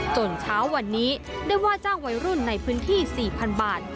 เช้าวันนี้ได้ว่าจ้างวัยรุ่นในพื้นที่๔๐๐๐บาท